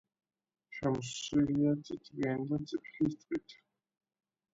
შემოსილია წიწვიანი და წიფლის ტყით.